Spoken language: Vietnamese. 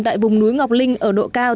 tại vùng núi ngọc linh ở độ cao